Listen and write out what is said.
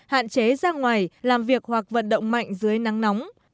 hạn chế ra ngoài làm việc hoặc vận động mạnh dưới nắng nóng